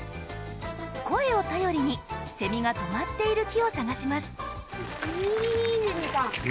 声を頼りにセミが止まっている木を探します。